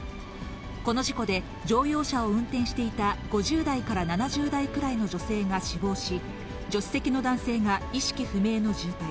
この事故で、乗用車を運転していた５０代から７０代くらいの女性が死亡し、助手席の男性が意識不明の重体。